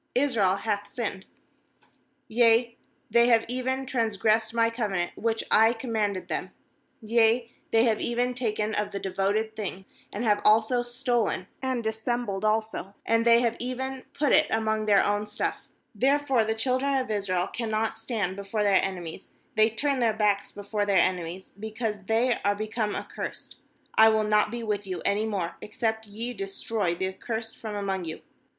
"Israel hath sinned; yea, they have even trans gressed My covenant which I com manded them; yea, they have even taken of the devoted thing; and have also stolen, and dissembled also, and they have even put it among their own stuff, therefore the children of Israel cannot stand before their enemies, they turn their backs before their enemies, because they are be come accursed; I will not be with you any more, except ye destroy the accursed from among you.